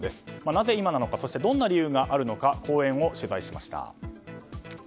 なぜ今なのかどんな理由があるのか公園を取材しました。